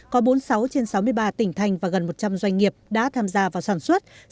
có bốn mươi sáu trên sáu mươi ba tỉnh thành và gần một trăm linh doanh nghiệp đã tham gia vào sản xuất